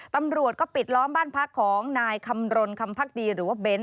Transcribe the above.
ตำรวจก็ปิดล้อมบ้านพักของนายคำรณคำพักดีหรือว่าเบนท